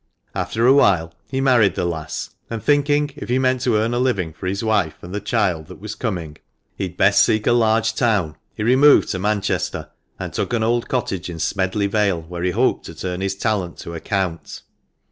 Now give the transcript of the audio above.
After a while he married the lass, and thinking if he meant to earn a living for his wife and the child that was coming he'd best seek a large town, he removed to Manchester, and took an old cottage in Smedley Vale, where he hoped to turn his talent to account."